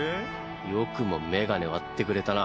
よくも眼鏡割ってくれたな。